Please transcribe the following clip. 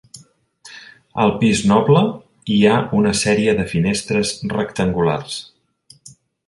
Al pis noble hi ha una sèrie de finestres rectangulars.